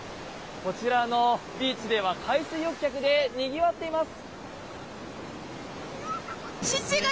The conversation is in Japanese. こちらのビーチでは海水浴客でにぎわっています。